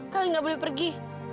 kalian gak boleh pergi